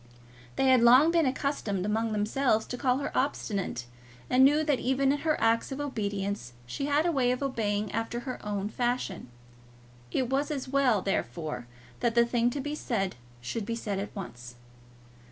They had long been accustomed among themselves to call her obstinate, and knew that even in her acts of obedience she had a way of obeying after her own fashion. It was as well, therefore, that the thing to be said should be said at once.